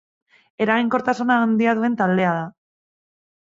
Eraginkortasuna handia duen taldea da.